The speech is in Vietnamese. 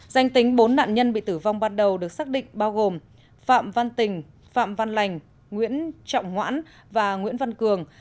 danh tính bốn nạn nhân bị tử vong ban đầu được xác định bao gồm phạm văn tình phạm văn lành nguyễn trọng ngoãn và nguyễn văn cường